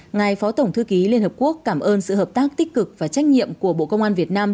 ngài phó tổng thư ký liên hợp quốc cảm ơn sự hợp tác tích cực và trách nhiệm của bộ công an việt nam